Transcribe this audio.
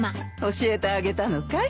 教えてあげたのかい？